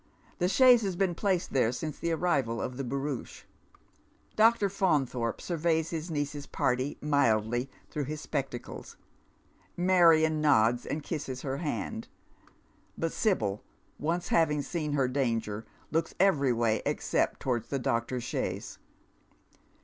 The chaise has been placed there since the arrival of the barouche. Dr. Faunthorpe surveys his niece's party mildly through hig spectacles ; ]\Iarion nods and kisses her hand ; but Sibyl, once having seen her danger, looks every way except towards the doctor's chaise.